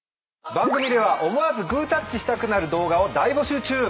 番組では思わずグータッチしたくなる動画を大募集中。